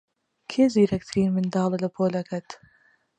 کێ زیرەکترین منداڵە لە پۆلەکەت؟